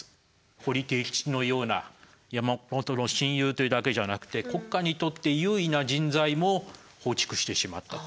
堀悌吉のような山本の親友というだけじゃなくて国家にとって有為な人材も放逐してしまったと。